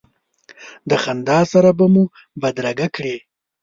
د خندا سره به مو بدرګه کړې.